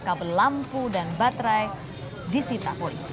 kabel lampu dan baterai disita polisi